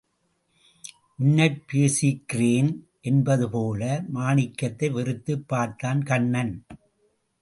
உன்னைப் பேசிக்கிறேன் என்பது போல, மாணிக்கத்தை வெறித்துப் பார்த்தான் கண்ணன்.